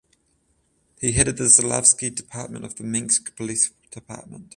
He headed the Zaslavsky department of the Minsk police department.